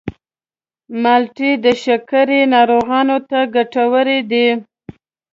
مالټې د شکرې ناروغانو ته ګټورې دي.